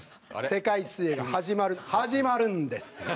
世界水泳が始まる始まるんです。